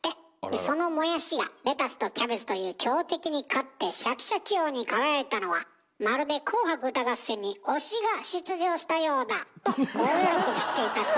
そのモヤシがレタスとキャベツという強敵に勝ってシャキシャキ王に輝いたのはまるで「紅白歌合戦」に推しが出場したようだ！と大喜びしていたそうです。